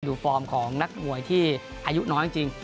ฟอร์มของนักมวยที่อายุน้อยจริง